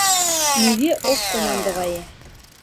Нигӧ ок командовае.